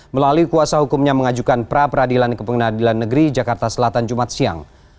melalui kuasa hukumnya mengajukan pra peradilan ke pengadilan negeri jakarta selatan jumat siang